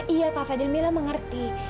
iya kak fadil mila mengerti